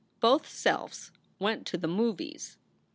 Both selves went to the movies!